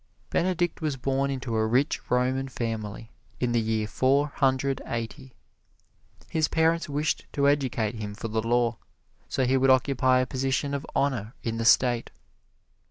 Benedict was born into a rich Roman family, in the year Four Hundred Eighty. His parents wished to educate him for the law, so he would occupy a position of honor in the State.